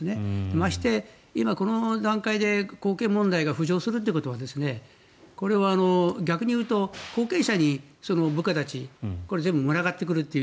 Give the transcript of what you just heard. まして、今この段階で後継問題が浮上するということはこれは逆に言うと後継者に部下たちこれ全部群がってくるという。